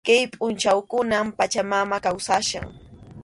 Kay pʼunchawkunam Pachamama kawsachkan.